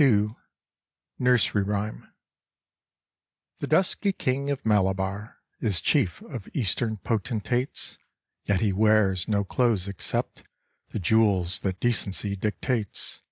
II Nursery Rhyme * I 'HE dusky king of Malabar •■• Is chief of Eastern Potentates ; Yet he wears no clothes except The jewels that decency dictates.